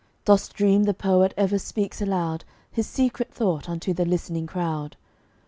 Dost dream the poet ever speaks aloud His secret thought unto the listening crowd?